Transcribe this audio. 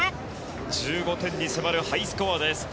１５点に迫るハイスコアです。